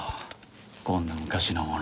こんな昔のもの。